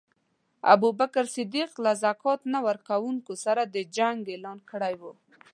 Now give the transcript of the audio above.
ابوبکر صدیق له ذکات نه ورکونکو سره د جنګ اعلان کړی وو.